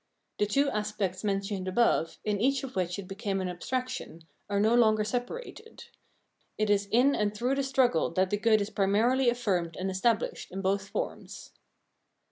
The two aspects mentioned above, in each of which it became an abstraction, are no longer separated; it is in and through the struggle that the good is primarily affirmed and established in both forms.